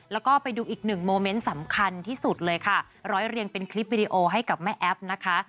แล้วก็ไปดูอีกหนึ่งโมเมนต์สำคัญที่สุดเลยค่ะร้อยเรียงเป็นคลิปวิดีโอให้กับแม่แอ๊บนะคะ